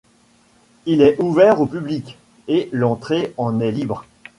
Il est ouvert au public, et l'entrée en est libre.